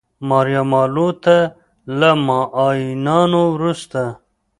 ماریا مارلو ته له معاینانو وروسته